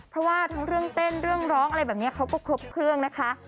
เพราะว่าทั้งเรื่องเต้นเรื่องร้องอะไรแบบนี้เขาก็ครบเครื่องนะคะ